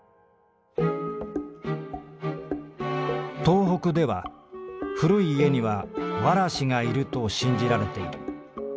「東北では古い家には童子がいると信じられている。